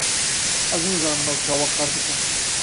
Ez nizanim ew çawa kar dike.